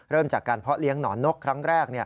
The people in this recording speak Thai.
เริ่มจากการเพาะเลี้ยงหนอนนกครั้งแรก